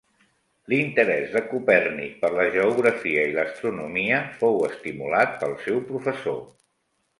L'interès de Copèrnic per la geografia i l'astronomia fou estimulat pel seu professor.